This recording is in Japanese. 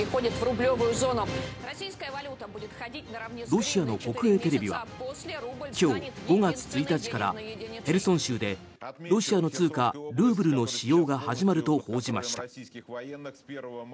ロシアの国営テレビは今日５月１日からヘルソン州でロシアの通貨・ルーブルの使用が始まると報じました。